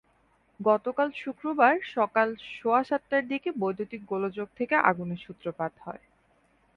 গতকাল শুক্রবার সকাল সোয়া সাতটার দিকে বৈদ্যুতিক গোলযোগ থেকে আগুনের সূত্রপাত হয়।